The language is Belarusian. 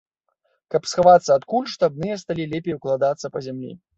Каб схавацца ад куль, штабныя сталі лепей укладацца па зямлі.